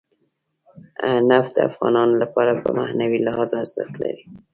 نفت د افغانانو لپاره په معنوي لحاظ ارزښت لري.